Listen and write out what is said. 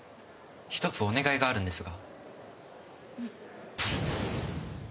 一つお願いがあるんですが。